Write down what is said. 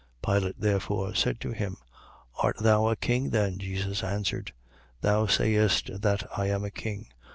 18:37. Pilate therefore said to him: Art thou a king then? Jesus answered: Thou sayest that I am a king.